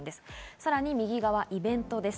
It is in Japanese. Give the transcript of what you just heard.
さらにイベントです。